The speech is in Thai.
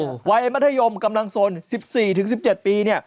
อู้ววัยมัธยมกำลังสนสิบสี่ถึงสิบเจ็ดปีเนี่ย